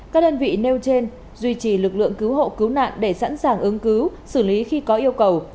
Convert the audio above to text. các đơn vị nêu trên duy trì lực lượng cứu hộ cứu nạn để sẵn sàng ứng cứu xử lý khi có yêu cầu